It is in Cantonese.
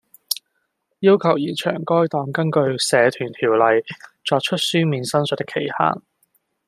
要求延長該黨根據《社團條例》作出書面申述的期限